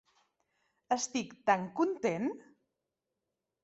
Estic tan content!